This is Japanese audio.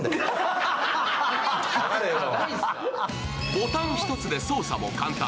ボタン１つで操作も簡単。